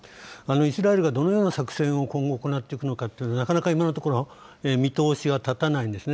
イスラエルがどのような作戦を今後、行っていくのかというのは、なかなか今のところ、見通しが立たないんですね。